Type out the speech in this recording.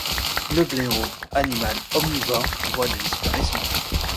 Le blaireau, animal omnivore en voie de disparition